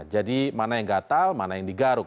jadi mana yang gatal mana yang digaruk